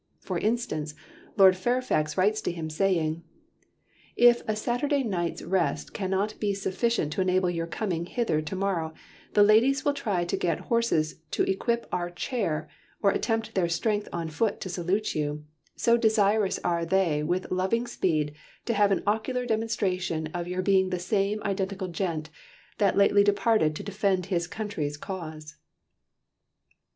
For instance, Lord Fairfax writes to him, saying: "If a Satterday Night's Rest cannot be sufficient to enable your coming hither to morrow the Lady's will try to get Horses to equip our Chair or attempt their strength on Foot to Salute you, so desirious are they with loving Speed to have an occular Demonstration of your being the same identical Gent that lately departed to defend his Country's Cause."